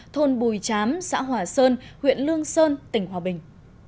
thôn bùi chám xã hòa sơn huyện lương sơn tỉnh hòa bình